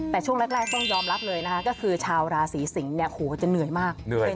แต่ช่วงแรกต้องยอมรับเลยคือชาวราศรีสิงห์จะเหนื่อยมาก